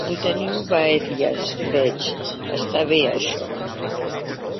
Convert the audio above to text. En teniu varies veig està bé això.